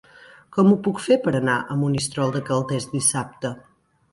Com ho puc fer per anar a Monistrol de Calders dissabte?